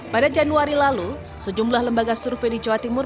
pada januari lalu sejumlah lembaga survei di jawa timur